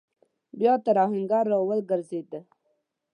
بيا تر آهنګر راوګرځېد.